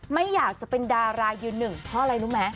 ไม่อยากจะเป็นดารายืนหนึ่งเพราะอะไรรู้ไหม